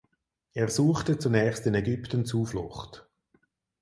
Er suchte zunächst in Ägypten Zuflucht.